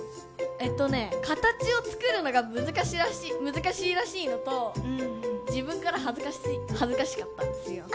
形を作るのが難しいらしいのと自分から恥ずかしかったんですよ。